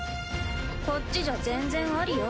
こっちじゃ全然ありよ。